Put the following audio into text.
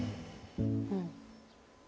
うん。